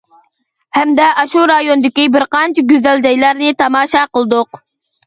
ھەمدە ئاشۇ رايوندىكى بىر قانچە گۈزەل جايلارنى تاماشا قىلدۇق.